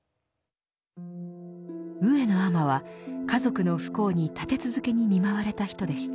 上野尼は家族の不幸に立て続けに見舞われた人でした。